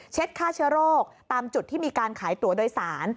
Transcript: ฆ่าเชื้อโรคตามจุดที่มีการขายตัวโดยสาร